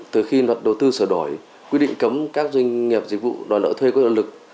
từ khi luật đầu tư sửa đổi quy định cấm các doanh nghiệp dịch vụ đòi nợ thuê có lợi lực